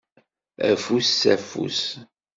Afus s afus.